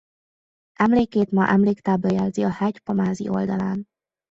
Emlékét ma emléktábla jelzi a hegy pomázi oldalán.